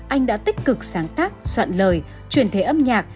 anh đã tích cực sáng tác soạn lời truyền thế âm nhạc